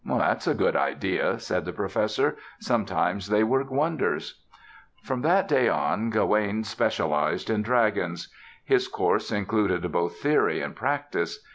"That's a good idea," said the Professor. "Sometimes they work wonders." From that day on Gawaine specialized in dragons. His course included both theory and practice.